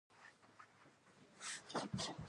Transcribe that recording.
شاته مې راوکتل درې موټرونه راپسې ول، چې را روان ول.